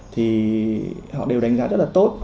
thì họ đều đánh giá rất là tốt